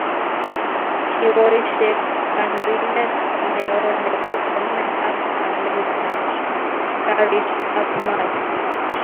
kiiboishe kandoindet neo nebo emet ab Amerika kariit ab maat